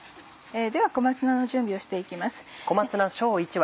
では小松菜の準備をして行きます。